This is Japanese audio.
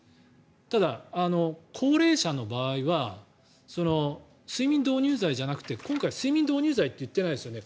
ただ、高齢者の場合は睡眠導入剤じゃなくて今回、睡眠導入剤って言っていないですよね。